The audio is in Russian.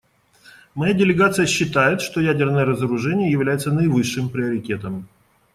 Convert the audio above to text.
Моя делегация считает, что ядерное разоружение является наивысшим приоритетом.